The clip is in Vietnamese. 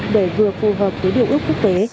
để vừa phù hợp với điều ước quốc tế